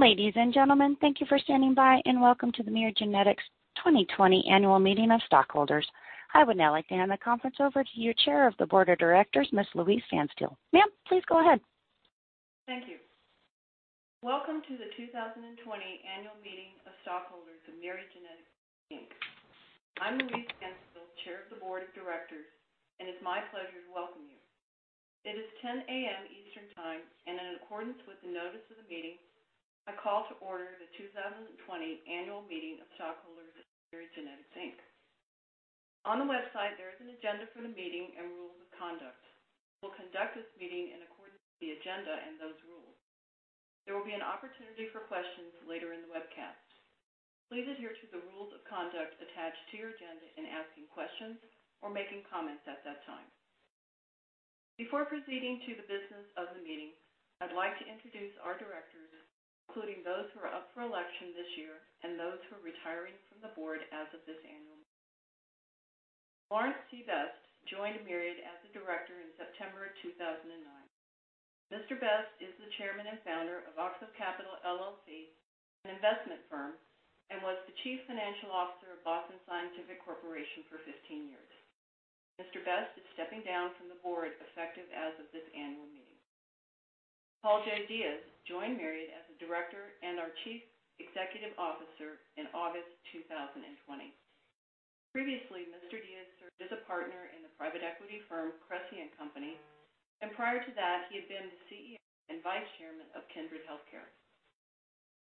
Ladies and gentlemen, thank you for standing by, and welcome to the Myriad Genetics 2020 Annual Meeting of Stockholders. I would now like to hand the conference over to your Chair of the Board of Directors, Ms. Louise Phanstiel. Ma'am, please go ahead. Thank you. Welcome to the 2020 annual meeting of stockholders of Myriad Genetics, Inc. I'm Louise Phanstiel, Chair of the Board of Directors, and it's my pleasure to welcome you. It is 10:00 A.M. Eastern Time, and in accordance with the notice of the meeting, I call to order the 2020 annual meeting of stockholders of Myriad Genetics, Inc. On the website, there is an agenda for the meeting and rules of conduct. We'll conduct this meeting in accordance with the agenda and those rules. There will be an opportunity for questions later in the webcast. Please adhere to the rules of conduct attached to your agenda in asking questions or making comments at that time. Before proceeding to the business of the meeting, I'd like to introduce our directors, including those who are up for election this year and those who are retiring from the board as of this annual meeting. Lawrence C. Best joined Myriad as a director in September 2009. Mr. Best is the chairman and founder of OXIS Capital LLC, an investment firm, and was the chief financial officer of Boston Scientific Corporation for 15 years. Mr. Best is stepping down from the board effective as of this annual meeting. Paul J. Diaz joined Myriad as a director and our Chief Executive Officer in August 2020. Previously, Mr. Diaz served as a partner in the private equity firm Cressey & Company, and prior to that, he had been the Chief Executive Officer and vice chairman of Kindred Healthcare.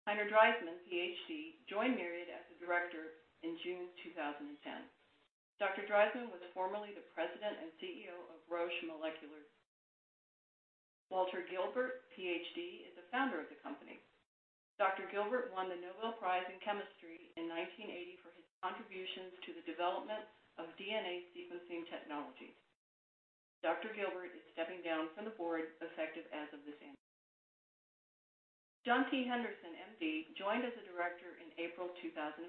Heiner Dreismann, PhD, joined Myriad as a director in June 2010. Dr. Dreismann was formerly the President and Chief Executive Officer of Roche Molecular. Walter Gilbert, Ph.D., is a founder of the company. Dr. Gilbert won the Nobel Prize in Chemistry in 1980 for his contributions to the development of DNA sequencing technologies. Dr. Gilbert is stepping down from the board effective as of this annual meeting. John T. Henderson, M.D., joined as a director in April 2005.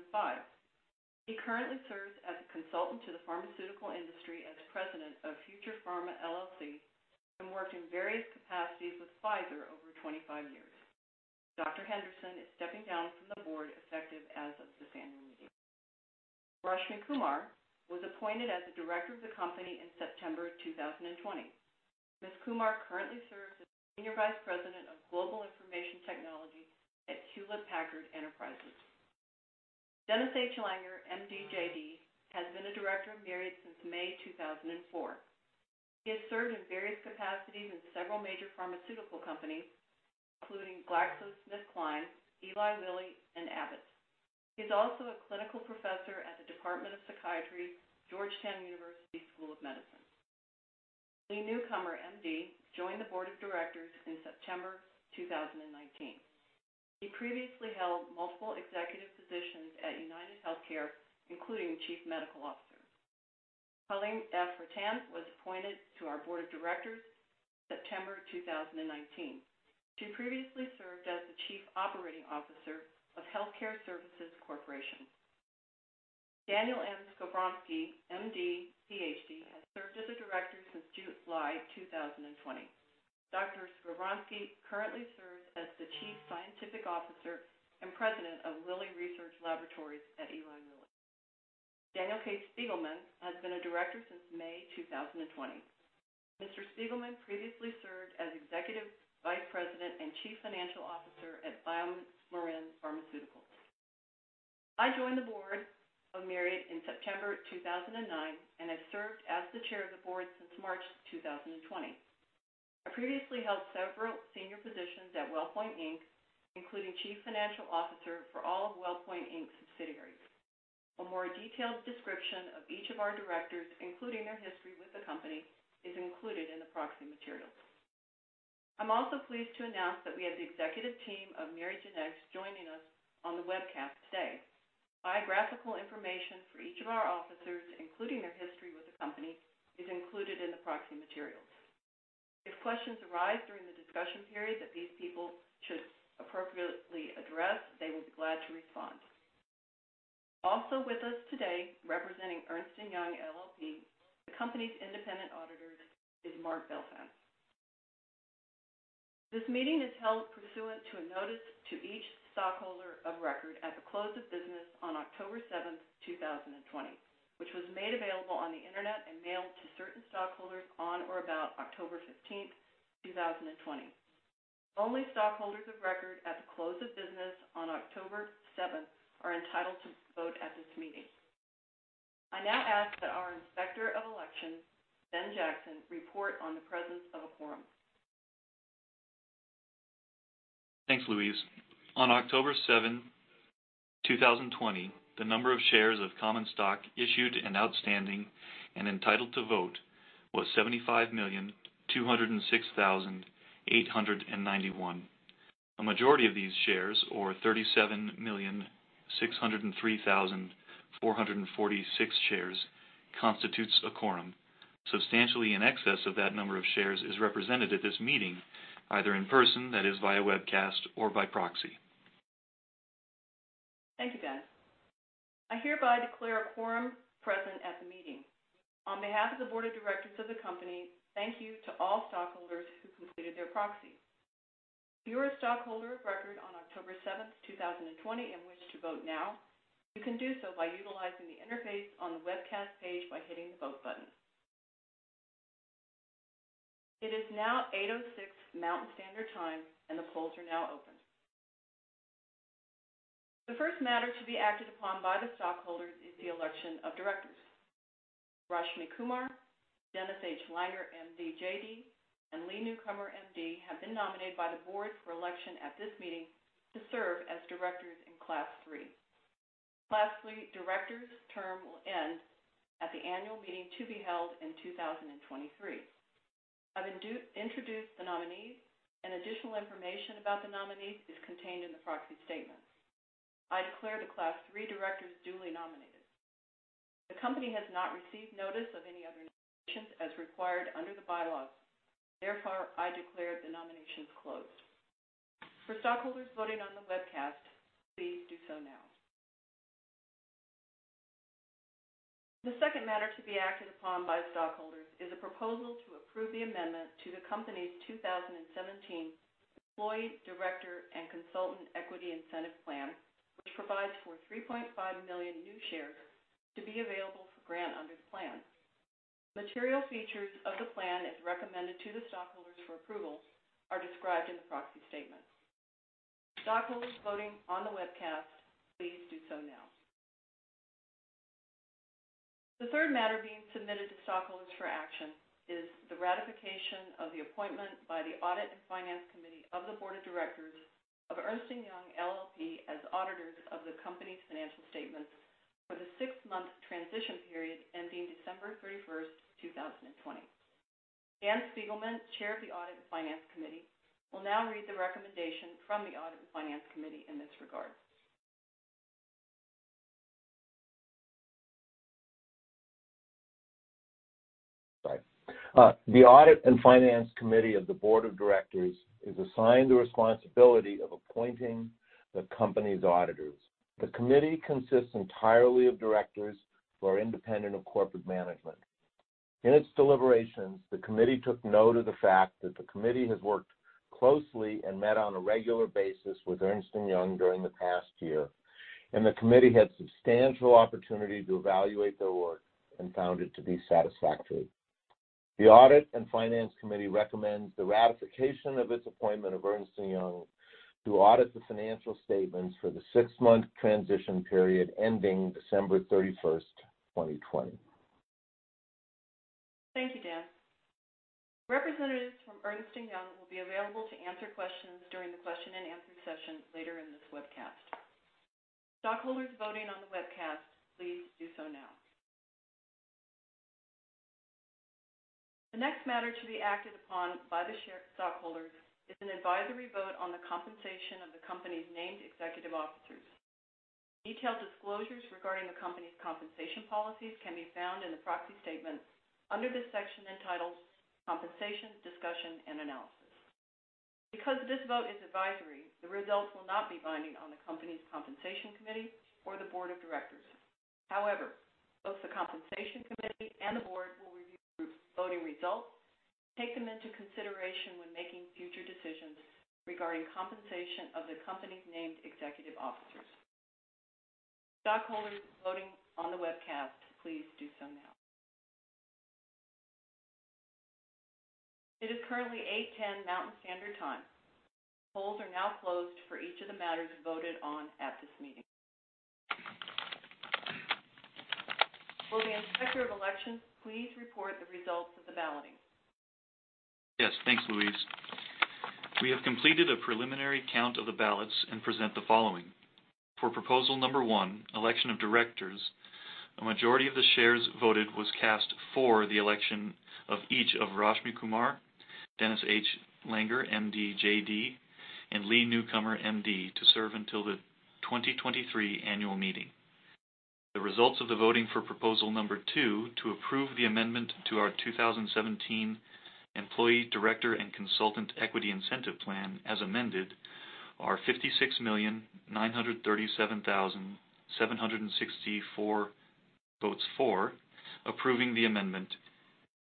He currently serves as a consultant to the pharmaceutical industry as President of Future Pharma LLC, and worked in various capacities with Pfizer over 25 years. Dr. Henderson is stepping down from the board effective as of this annual meeting. Rashmi Kumar was appointed as a director of the company in September 2020. Ms. Kumar currently serves as Senior Vice President of Global Information Technology at Hewlett Packard Enterprise. Dennis H. Langer, M.D., J.D., has been a director of Myriad since May 2004. He has served in various capacities in several major pharmaceutical companies, including GlaxoSmithKline, Eli Lilly, and Abbott. He's also a clinical professor at the Department of Psychiatry, Georgetown University School of Medicine. Lee Newcomer, MD, joined the board of directors in September 2019. He previously held multiple executive positions at UnitedHealthcare, including chief medical officer. S. Louise Phanstiel was appointed to our board of directors September 2019. She previously served as the chief operating officer of Health Care Service Corporation. Daniel M. Skovronsky, MD, PhD, has served as a director since July 2020. Dr. Skovronsky currently serves as the chief scientific officer and president of Lilly Research Laboratories at Eli Lilly. Daniel K. Spiegelman has been a director since May 2020. Mr. Spiegelman previously served as executive vice president and chief financial officer at BioMarin Pharmaceutical. I joined the board of Myriad in September 2009 and have served as the chair of the board since March 2020. I previously held several senior positions at WellPoint, Inc., including chief financial officer for all of WellPoint, Inc. subsidiaries. A more detailed description of each of our directors, including their history with the company, is included in the proxy materials. I'm also pleased to announce that we have the executive team of Myriad Genetics joining us on the webcast today. Biographical information for each of our officers, including their history with the company, is included in the proxy materials. If questions arise during the discussion period that these people should appropriately address, they will be glad to respond. Also with us today, representing Ernst & Young LLP, the company's independent auditors, is Mark Belshe. This meeting is held pursuant to a notice to each stockholder of record at the close of business on October 7th, 2020, which was made available on the internet and mailed to certain stockholders on or about October 15th, 2020. Only stockholders of record at the close of business on October 7th are entitled to vote at this meeting. I now ask that our inspector of elections, Ben Jackson, report on the presence of a quorum. Thanks, Louise. On October 7th, 2020, the number of shares of common stock issued and outstanding and entitled to vote was 75,206,891. A majority of these shares, or 37,603,446 shares, constitutes a quorum. Substantially in excess of that number of shares is represented at this meeting, either in person, that is via webcast, or by proxy. Thank you, Benjamin. I hereby declare a quorum present at the meeting. On behalf of the board of directors of the company, thank you to all stockholders who completed their proxies. If you're a stockholder of record on October seventh, 2020, and wish to vote now, you can do so by utilizing the interface on the webcast page by hitting the vote button. It is now 8:06 A.M. Mountain Standard Time, and the polls are now open. The first matter to be acted upon by the stockholders is the election of directors. Rashmi Kumar, Dennis H. Langer, M.D., J.D., and Lee Newcomer, M.D., have been nominated by the board for election at this meeting to serve as directors in Class III. Class III directors' term will end at the annual meeting to be held in 2023. I've introduced the nominees, and additional information about the nominees is contained in the proxy statements. I declare the Class III directors duly nominated. The company has not received notice of any other nominations as required under the bylaws. Therefore, I declare the nominations closed. For stockholders voting on the webcast, please do so now. The second matter to be acted upon by stockholders is a proposal to approve the amendment to the company's 2017 Employee, Director and Consultant Equity Incentive Plan, which provides for 3.5 million new shares to be available for grant under the plan. Material features of the plan, as recommended to the stockholders for approval, are described in the proxy statement. Stockholders voting on the webcast, please do so now. The third matter being submitted to stockholders for action is the ratification of the appointment by the Audit and Finance Committee of the Board of Directors of Ernst & Young LLP as auditors of the company's financial statements for the six-month transition period ending December 31st, 2020. Dan Spiegelman, Chair of the Audit and Finance Committee, will now read the recommendation from the Audit and Finance Committee in this regard. Right. The Audit and Finance Committee of the Board of Directors is assigned the responsibility of appointing the company's auditors. The committee consists entirely of directors who are independent of corporate management. In its deliberations, the committee took note of the fact that the committee has worked closely and met on a regular basis with Ernst & Young during the past year, and the committee had substantial opportunity to evaluate their work and found it to be satisfactory. The Audit and Finance Committee recommends the ratification of its appointment of Ernst & Young to audit the financial statements for the six-month transition period ending December 31st, 2020. Thank you, Dan. Representatives from Ernst & Young will be available to answer questions during the question-and-answer session later in this webcast. Stockholders voting on the webcast, please do so now. The next matter to be acted upon by the stockholders is an advisory vote on the compensation of the company's named executive officers. Detailed disclosures regarding the company's compensation policies can be found in the proxy statement under the section entitled "Compensation Discussion and Analysis." Because this vote is advisory, the results will not be binding on the company's Compensation Committee or the Board of Directors. However, both the Compensation Committee and the Board will review the voting results and take them into consideration when making future decisions regarding compensation of the company's named executive officers. Stockholders voting on the webcast, please do so now. It is currently 8:10 A.M. Mountain Standard Time. Polls are now closed for each of the matters voted on at this meeting. Will the Inspector of Election please report the results of the balloting? Yes, thanks, Louise. We have completed a preliminary count of the ballots and present the following. For proposal number one, election of directors, a majority of the shares voted was cast for the election of each of Rashmi Kumar, Dennis H. Langer, MD, JD, and Lee Newcomer, MD, to serve until the 2023 annual meeting. The results of the voting for proposal number two, to approve the amendment to our 2017 Employee, Director and Consultant Equity Incentive Plan, as amended, are 56,937,764 votes for approving the amendment,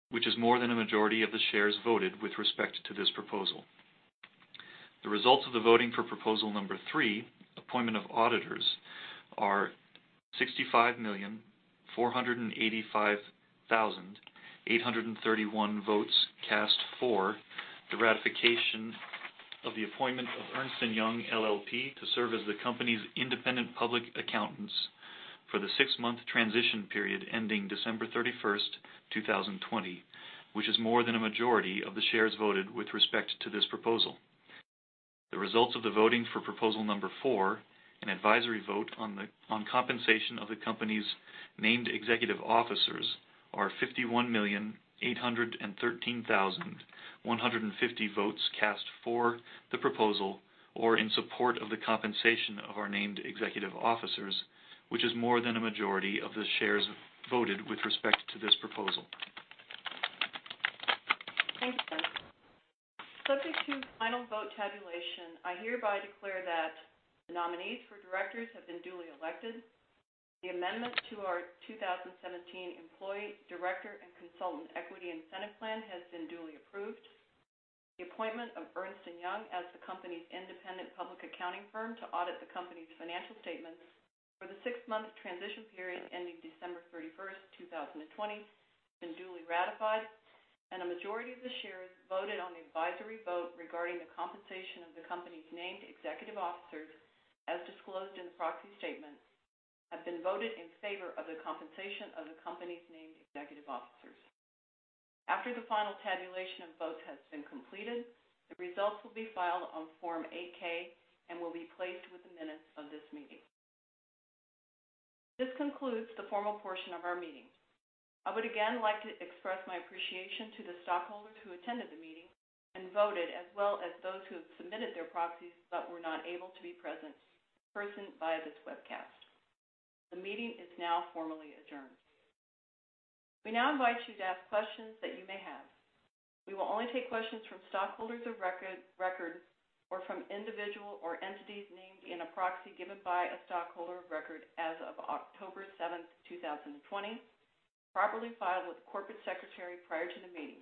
which is more than a majority of the shares voted with respect to this proposal. The results of the voting for proposal number three, appointment of auditors, are 65,485,831 votes cast for the ratification of the appointment of Ernst & Young LLP to serve as the company's independent public accountants for the six-month transition period ending December 31st, 2020, which is more than a majority of the shares voted with respect to this proposal. The results of the voting for proposal number four, an advisory vote on compensation of the company's named executive officers, are 51,813,150 votes cast for the proposal or in support of the compensation of our named executive officers, which is more than a majority of the shares voted with respect to this proposal. Thanks, Ben. Subject to final vote tabulation, I hereby declare that the nominees for directors have been duly elected, the amendment to our 2017 Employee, Director and Consultant Equity Incentive Plan has been duly approved, the appointment of Ernst & Young as the company's independent public accounting firm to audit the company's financial statements for the six-month transition period ending December 31st, 2020, has been duly ratified, and a majority of the shares voted on the advisory vote regarding the compensation of the company's named executive officers, as disclosed in the proxy statement, have been voted in favor of the compensation of the company's named executive officers. After the final tabulation of votes has been completed, the results will be filed on Form 8-K and will be placed with the minutes of this meeting. This concludes the formal portion of our meeting. I would again like to express my appreciation to the stockholders who attended the meeting and voted as well as those who have submitted their proxies but were not able to be present via this webcast. The meeting is now formally adjourned. We now invite you to ask questions that you may have. We will only take questions from stockholders of record or from individual or entities named in a proxy given by a stockholder of record as of October 7th, 2020, properly filed with the corporate secretary prior to the meeting.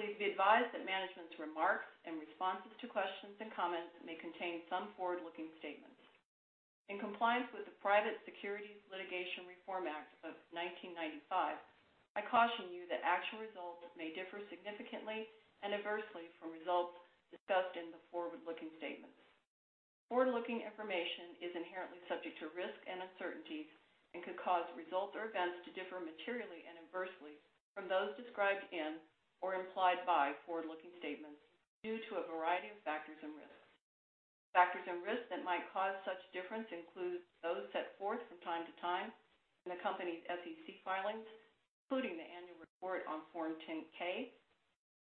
Please be advised that management's remarks and responses to questions and comments may contain some forward-looking statements. In compliance with the Private Securities Litigation Reform Act of 1995, I caution you that actual results may differ significantly and adversely from results discussed in the forward-looking statements. Forward-looking information is inherently subject to risk and uncertainty and could cause results or events to differ materially and adversely from those described in or implied by forward-looking statements due to a variety of factors and risks. Factors and risks that might cause such difference include those set forth from time to time in the company's SEC filings, including the annual report on Form 10-K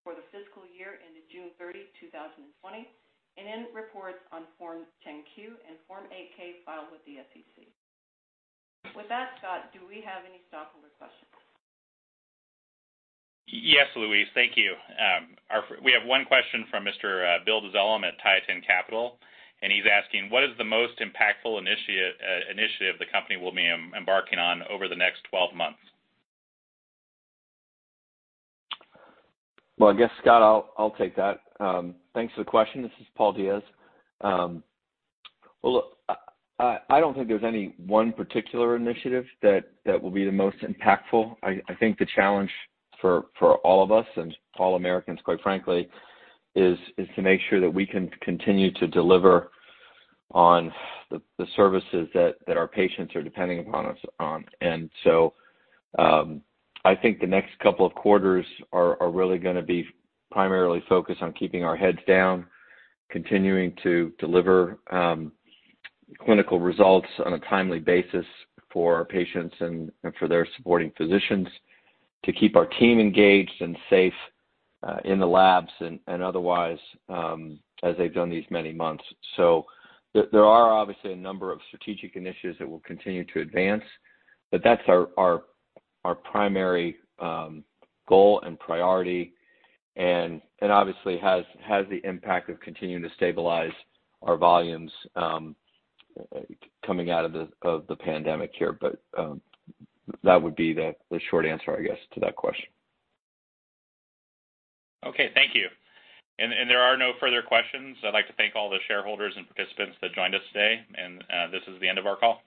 for the fiscal year ended June 30, 2020, and in reports on Form 10-Q and Form 8-K filed with the SEC. With that, Scott, do we have any stockholder questions? Yes, Louise. Thank you. We have one question from Mr. Bill Dezellem at Tieton Capital, and he's asking, "What is the most impactful initiative the company will be embarking on over the next 12 months? I guess, Scott, I'll take that. Thanks for the question. This is Paul Diaz. Look, I don't think there's any one particular initiative that will be the most impactful. I think the challenge for all of us and all Americans, quite frankly, is to make sure that we can continue to deliver on the services that our patients are depending upon us on. I think the next couple of quarters are really going to be primarily focused on keeping our heads down, continuing to deliver clinical results on a timely basis for our patients and for their supporting physicians to keep our team engaged and safe in the labs and otherwise as they've done these many months. There are obviously a number of strategic initiatives that we'll continue to advance, but that's our primary goal and priority and obviously has the impact of continuing to stabilize our volumes coming out of the pandemic here. That would be the short answer, I guess, to that question. Okay. Thank you. There are no further questions. I'd like to thank all the shareholders and participants that joined us today, and this is the end of our call.